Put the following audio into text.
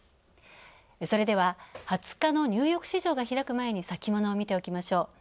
それでは二十日のニューヨーク市場が開かれる前に先物を見ておきましょう。